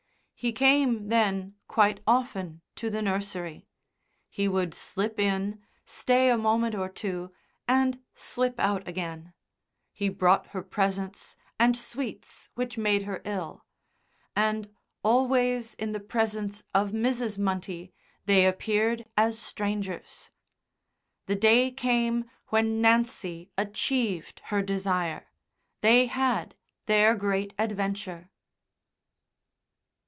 He came, then, quite often to the nursery. He would slip in, stay a moment or two, and slip out again. He brought her presents and sweets which made her ill. And always in the presence of Mrs. Munty they appeared as strangers. The day came when Nancy achieved her desire they had their great adventure.